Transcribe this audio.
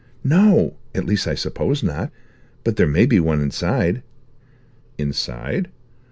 "No; at least I suppose not; but there may be one inside." "Inside?